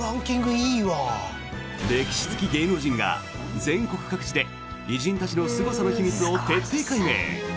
歴史好き芸能人が、全国各地で偉人たちのすごさの秘密を徹底解明。